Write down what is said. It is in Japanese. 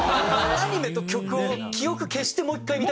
アニメと曲を記憶消してもう１回見たいと。